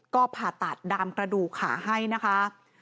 ก็ผ่าตัดดามกระดูกขาให้นะคะ